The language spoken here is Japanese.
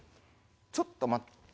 ちょっと待っ。